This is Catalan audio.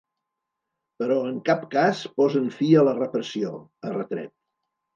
“Però en cap cas posen fi a la repressió”, ha retret.